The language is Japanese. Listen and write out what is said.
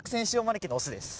のオスです。